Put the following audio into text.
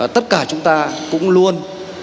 tất cả chúng ta cũng luôn